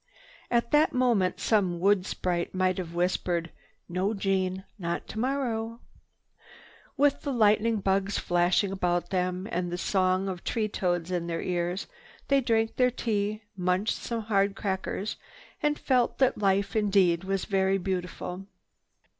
At that moment some wood sprite might have whispered, "No, Jeanne, not tomorrow." With the lightning bugs flashing about them and the song of tree toads in their ears, they drank their tea, munched some hard crackers, and felt that life was indeed very beautiful.